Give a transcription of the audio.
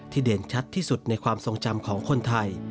เด่นชัดที่สุดในความทรงจำของคนไทย